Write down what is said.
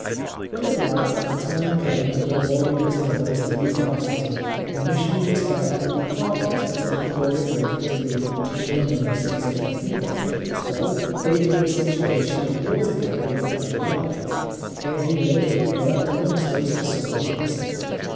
When at last the time came for the boy and his mother to leave the hospital, the missionaries felt it would be heartless to turn the boy adrift to the "tender mercies of the heathen," so gave him the situation of water carrier for their yard. Here he lived and worked amongst us for some years.